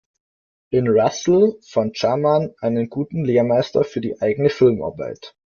In Russell fand Jarman einen guten Lehrmeister für die eigene Filmarbeit.